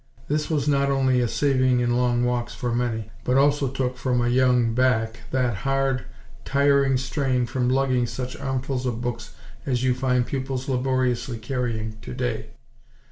This was not only a saving in long walks for many, but also took from a young back, that hard, tiring strain from lugging such armfuls of books as you find pupils laboriously carrying, today.